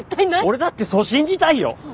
俺だってそう信じたいよ！